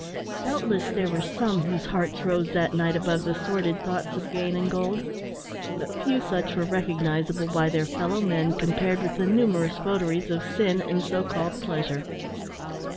Doubtless there were some whose hearts rose that night above the sordid thoughts of gain and gold; but few such were recognisable by their fellow men, compared with the numerous votaries of sin and so called pleasure.